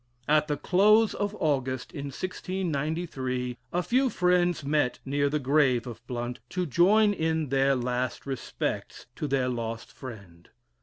At the close of August, in 1693, a few friends met near the grave of Blount, to join in their last respects to their lost friend.